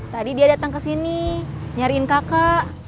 tadi dia datang kesini nyariin kakak